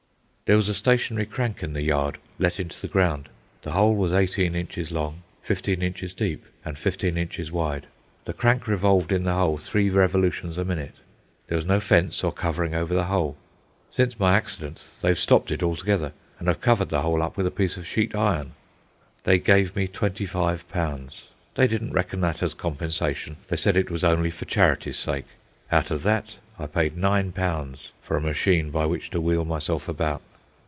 There was a stationary crank in the yard, let into the ground; the hole was 18 inches long, 15 inches deep, and 15 inches wide. The crank revolved in the hole three revolutions a minute. There was no fence or covering over the hole. Since my accident they have stopped it altogether, and have covered the hole up with a piece of sheet iron. ... They gave me £25. They didn't reckon that as compensation; they said it was only for charity's sake. Out of that I paid £9 for a machine by which to wheel myself about.